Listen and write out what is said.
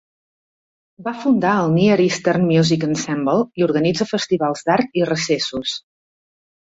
Va fundar el Near Eastern Music Ensemble i organitza festivals d'art i recessos.